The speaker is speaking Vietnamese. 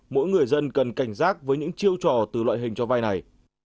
mỗi người dân cần cảnh giác với những chiêu trò từ loại hình cho vai này